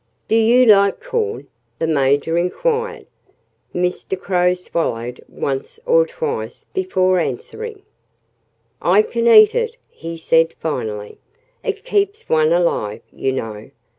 "Do you like corn?" the Major inquired. Mr. Crow swallowed once or twice before answering. "I can eat it," he said finally. "It keeps one alive, you know.